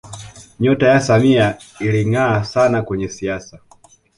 nyota ya samia ilingaa sana kwenye siasa